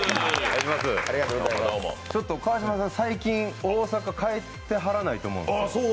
川島さん、最近、大阪帰ってはらないと思うんです。